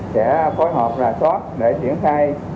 sẽ phối hợp rà soát để triển khai